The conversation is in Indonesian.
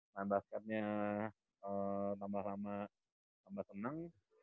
nah basketnya tambah lama tambah senang